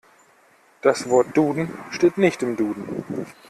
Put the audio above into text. Das Wort Duden steht nicht im Duden.